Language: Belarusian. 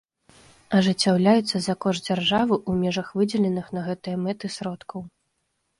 Ажыццяўляюцца за кошт дзяржавы ў межах выдзеленых на гэтыя мэты сродкаў.